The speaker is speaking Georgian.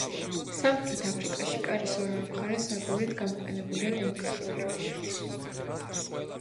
სამხრეთ ფასადზე, კარის ორივე მხარეს, აგურით გამოყვანილია დეკორატიული რომბები.